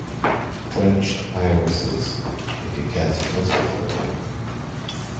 Drenched irises, if you care to put it that way.